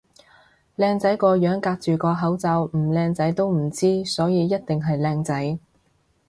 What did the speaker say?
靚仔個樣隔住口罩唔靚仔都唔知，所以一定係靚仔